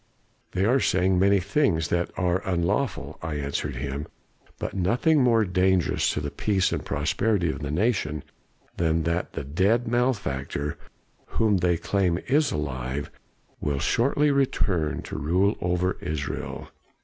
"'They are saying many things that are unlawful,' I answered him, 'but nothing more dangerous to the peace and prosperity of the nation than that the dead malefactor whom they claim is alive will shortly return to rule over Israel.